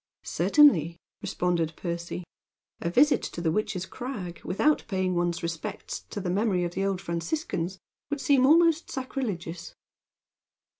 "Certainly," responded Percy. "A visit to the Witch's Crag, without paying one's respects to the memory of the old Franciscans, would seem almost sacrilegious."